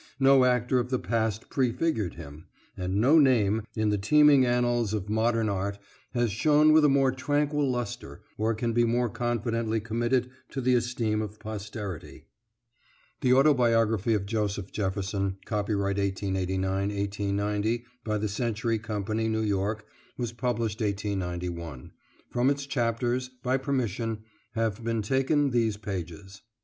No actor of the past prefigured him, ... and no name, in the teeming annals of modern art, has shone with a more tranquil lustre, or can be more confidently committed to the esteem of posterity." The Autobiography of Joseph Jefferson, copyright, 1889, 1890, by the Century Company, New York, was published 1891. From its chapters, by permission, have been taken these pages.